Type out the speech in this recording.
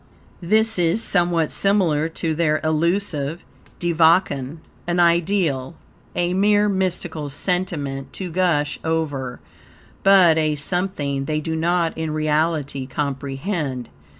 This is somewhat similar to their illusive Devachan, an ideal, a mere mystical sentiment to gush over, but a something they do not in reality comprehend.